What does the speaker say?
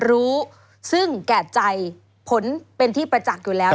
รู้ซึ่งแก่ใจผลเป็นที่ประจักษ์อยู่แล้ว